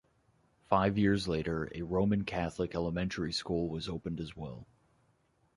Five years later a Roman Catholic elementary school was opened as well.